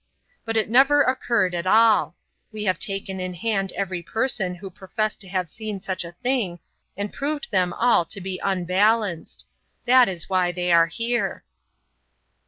But it never occurred at all. We have taken in hand every person who professed to have seen such a thing, and proved them all to be unbalanced. That is why they are here."